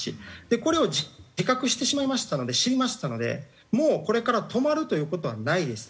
これを自覚してしまいましたので知りましたのでもうこれから止まるという事はないです。